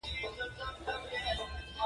پر سړک پرتو واورو باندې د موټرو نښې ښکارېدې.